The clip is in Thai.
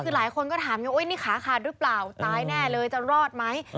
คือหลายคนก็ถามไงนี่ขาขาดหรือเปล่าตายแน่เลยจะรอดไหม